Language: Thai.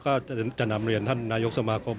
ก็จะนำเรียนท่านนายกสมาคม